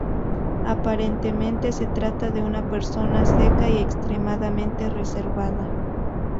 Aparentemente se trata de una persona seca y extremadamente reservada.